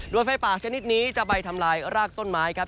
โดยไฟป่าชนิดนี้จะไปทำลายรากต้นไม้ครับ